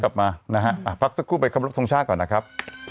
กลับมานะฮะพักสักครู่ไปขอรบทรงชาติก่อนนะครับ